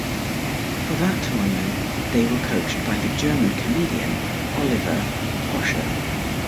For that tournament, they were coached by the German comedian Oliver Pocher.